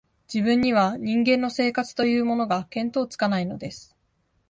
自分には、人間の生活というものが、見当つかないのです